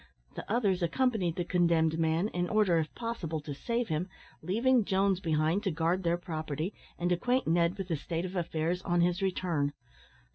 The others accompanied the condemned man, in order, if possible, to save him, leaving Jones behind to guard their property, and acquaint Ned with the state of affairs on his return.